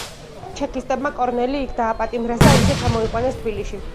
ჩეკისტებმა კორნელი იქ დააპატიმრეს და ისე ჩამოიყვანეს თბილისში.